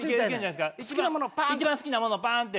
一番好きなもの。